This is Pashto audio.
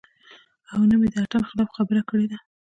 او نۀ مې د اتڼ خلاف خبره کړې ده -